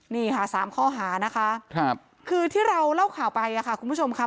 นี่ค่ะ๓ข้อหานะคะคือที่เราเล่าข่าวไปค่ะคุณผู้ชมค่ะ